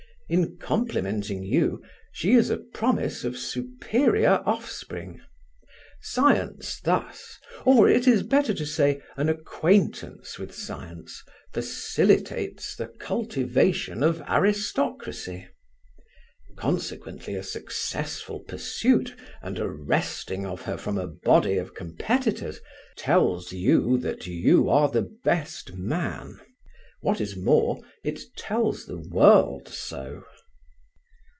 In complimenting you, she is a promise of superior offspring. Science thus or it is better to say an acquaintance with science facilitates the cultivation of aristocracy. Consequently a successful pursuit and a wresting of her from a body of competitors, tells you that you are the best man. What is more, it tells the world so.